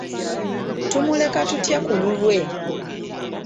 Tumuleka tutya ku lulwe?